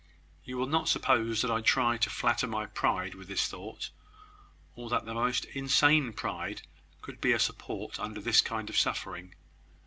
You will not suppose that I try to flatter my pride with this thought; or that the most insane pride could be a support under this kind of suffering.